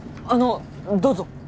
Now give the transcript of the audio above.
あのどうぞ。